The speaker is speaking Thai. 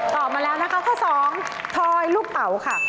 ตอบมาแล้วนะคะข้อสองทอยลูกเตาค่ะ